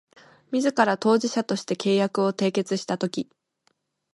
自ら当事者として契約を締結したとき